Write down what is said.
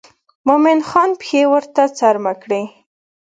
مومن خان پښې ورته څرمه کړې.